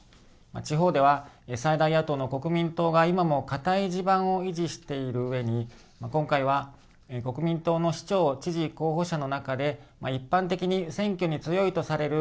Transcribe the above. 地方では、最大野党の国民党が今も固い地盤を維持しているうえに、今回は国民党の市長・知事候補者の中で、一般的に選挙に強いとされる